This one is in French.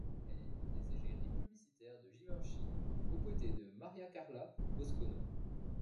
Elle est l'une des égéries publicitaires de Givenchy aux côtés de Mariacarla Boscono.